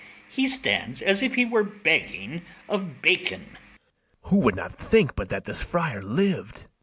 he stands as if he were begging of bacon. BARABAS. Who would not think but that this friar liv'd?